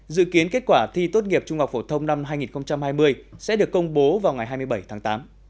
dự kiến kết quả thi tốt nghiệp trung học phổ thông năm hai nghìn hai mươi sẽ được công bố vào ngày hai mươi bảy tháng tám